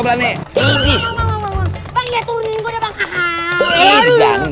bang iya turunin gua deh bang